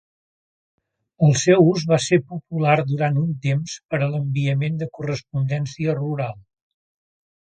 El seu ús va ser popular durant un temps per a l'enviament de correspondència rural.